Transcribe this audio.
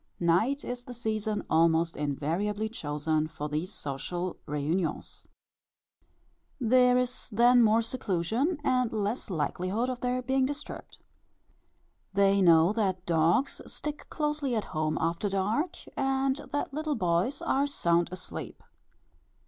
Night is the season almost invariably chosen for these social réunions. There is then more seclusion, and less likelihood of their being disturbed. They know that dogs stick closely at home after dark, and that little boys are sound asleep.